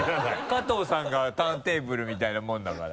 加藤さんがターンテーブルみたいなものだから。